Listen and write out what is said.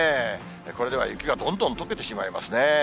これでは雪がどんどんとけてしまいますね。